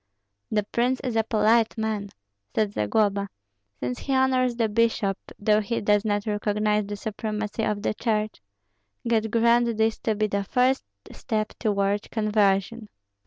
"The prince is a polite man," said Zagloba, "since he honors the bishop, though he does not recognize the supremacy of the Church. God grant this to be the first step toward conversion!"